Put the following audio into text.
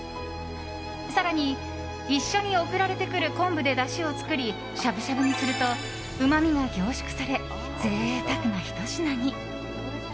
更に一緒に送られてくる昆布でだしを作りしゃぶしゃぶにするとうまみが凝縮され贅沢なひと品に。